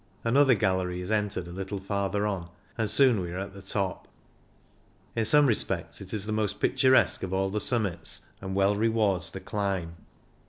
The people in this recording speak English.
Another gallery is entered a little farther on, and soon we are at the top. In some respects it is the most picturesque of all the summits, and well rewards the climb.